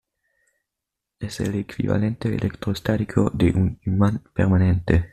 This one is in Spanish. Es el equivalente electrostático de un imán permanente.